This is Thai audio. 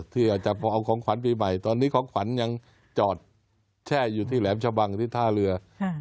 ที่อาจจะพอเอาของขวัญปีใหม่ตอนนี้ของขวัญยังจอดแช่อยู่ที่แหลมชะบังที่ท่าเรือ